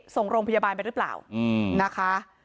ส่งโรงพยาบาลไปหรือเปล่านะคะ